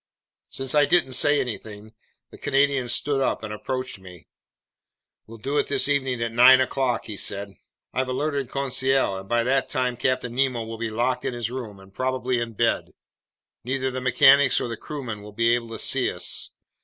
Since I didn't say anything, the Canadian stood up and approached me: "We'll do it this evening at nine o'clock," he said. "I've alerted Conseil. By that time Captain Nemo will be locked in his room and probably in bed. Neither the mechanics or the crewmen will be able to see us.